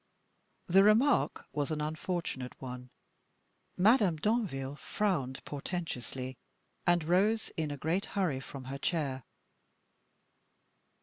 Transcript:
The remark was an unfortunate one. Madame Danville frowned portentously, and rose in a great hurry from her chair.